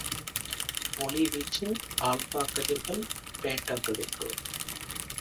ஒளி வீச்சு, ஆல்பா கதிர்கள், பீட்டா கதிர்கள்.